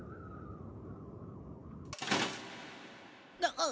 あっ。